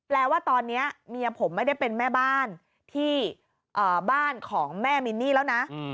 แปลว่าตอนนี้เมียผมไม่ได้เป็นแม่บ้านที่บ้านของแม่มินนี่แล้วนะ